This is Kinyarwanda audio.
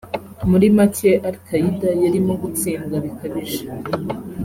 "Muri make Al Qaeda yarimo gutsindwa bikabije